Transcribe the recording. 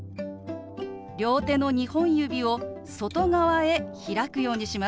両手の２本指を外側へ開くようにします。